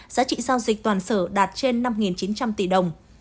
giá trị giao dịch toàn sở đạt trên năm chín trăm linh tỷ đồng